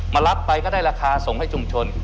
รับไปก็ได้ราคาส่งให้ชุมชน